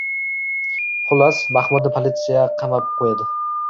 Xullas, Mahmudni politsiya qamab qo`yadi